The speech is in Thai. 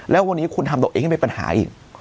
แล้ววันนี้คุณทำตัวเองให้เป็นปัญหาอีก